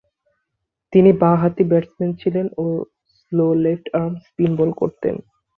তিনি বাঁ-হাতি ব্যাটসম্যান ছিলেন ও slow left arm spin bowl করতেন।